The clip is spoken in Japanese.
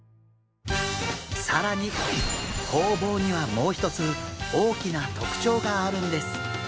更にホウボウにはもう一つ大きな特徴があるんです。